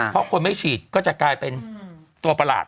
เพราะคนไม่ฉีดก็จะกลายเป็นตัวประหลาด